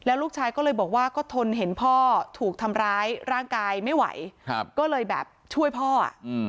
ลูกชายก็เลยบอกว่าก็ทนเห็นพ่อถูกทำร้ายร่างกายไม่ไหวก็เลยแบบช่วยพ่ออ่ะอืม